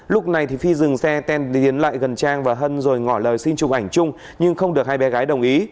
lúc này thì phi dừng xe ten đi đến lại gần trang và hân rồi ngỏ lời xin chụp ảnh chung nhưng không được hai bé gái đồng ý